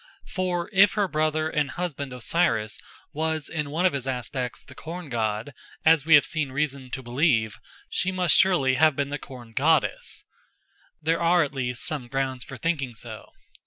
For if her brother and husband Osiris was in one of his aspects the corn god, as we have seen reason to believe, she must surely have been the corn goddess. There are at least some grounds for thinking so.